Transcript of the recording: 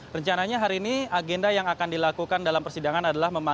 rencananya hari ini agenda yang akan dilakukan dalam persidangan adalah